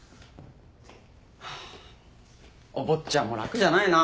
ハァお坊ちゃんも楽じゃないな。